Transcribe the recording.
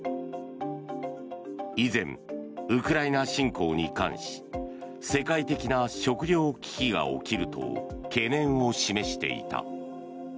以前、ウクライナ侵攻に関し世界的な食料危機が起きると懸念を示していた。